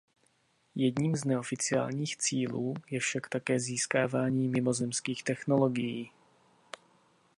Jedním z neoficiálních cílů je však také získávání mimozemských technologií.